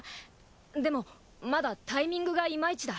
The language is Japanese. でもまだタイミングがいまいちだ。